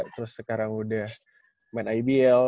terus sekarang udah main ibl